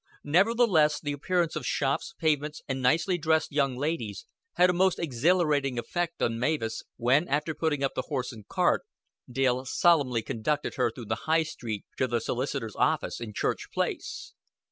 Nevertheless, the appearance of shops, pavements, and nicely dressed young ladies, had a most exhilarating effect on Mavis when, after putting up the horse and cart, Dale solemnly conducted her through the High Street to the solicitor's office in Church Place.